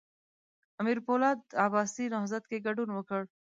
امیر پولاد عباسي نهضت کې ګډون وکړ.